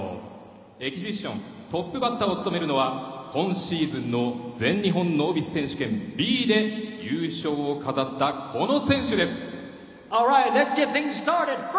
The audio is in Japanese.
エキシビショントップバッターを務めるのは今シーズンの全日本ノービス選手権Ｂで優勝を飾ったこの選手です。